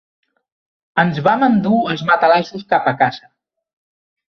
Ens vam endur els matalassos cap a casa.